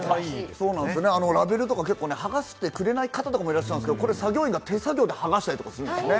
ラベルとか結構、剥がしてくれない方とかもいらっしゃるんですけど、作業員が手作業で剥がしたりするんですよね。